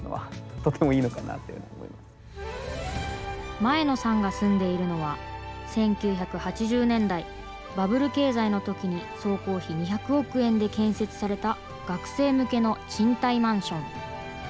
前野さんが住んでいるのは１９８０年代、バブル経済の時に総工費２００億円で建設された学生向けの賃貸マンション。